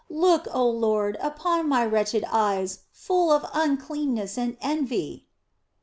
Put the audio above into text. Look, oh Lord, upon my wretched eyes, full of uncleanness and envy